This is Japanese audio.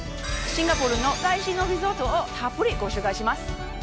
シンガポールの最新のリゾートをたっぷりご紹介します。